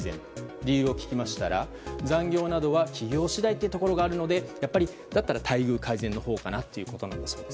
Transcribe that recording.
理由を聞きましたら残業などは企業次第というところがあるのでやっぱりだったら待遇改善のほうかなということだそうです。